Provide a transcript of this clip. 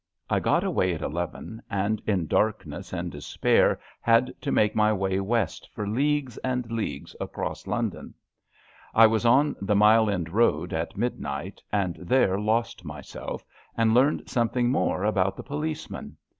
I got away at eleven, and in darkness and despair had to make my way west for leagues and leagues across London. I was on the Mile End Road at midnight and there lost myself, and learned some thing more about the policeman.